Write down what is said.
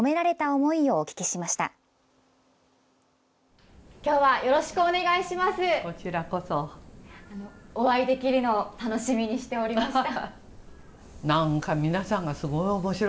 お会いできるのを楽しみにしておりました。